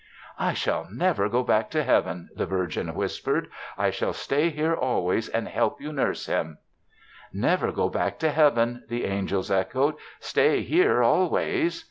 "I shall never go back to Heaven," the Virgin whispered. "I shall stay here always and help you nurse him." "Never go back to Heaven," the angels echoed; "stay here always."